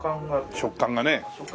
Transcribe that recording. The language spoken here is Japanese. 食感がね。